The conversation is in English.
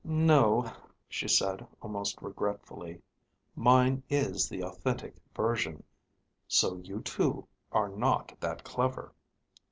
"No," she said, almost regretfully. "Mine is the authentic version. So, you too, are not that clever."